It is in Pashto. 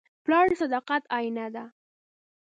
پلار د صداقت آیینه ده.